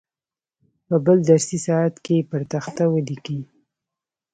په بل درسي ساعت کې یې پر تخته ولیکئ.